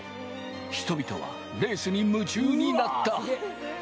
人々はレースに夢中になった。